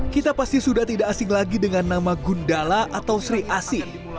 kita pasti sudah tidak asing lagi dengan nama gundala atau sri asi